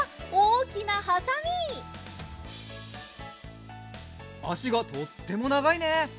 おおきなはさみあしがとってもながいね